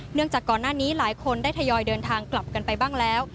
จากก่อนหน้านี้หลายคนได้ทยอยเดินทางกลับกันไปบ้างแล้ว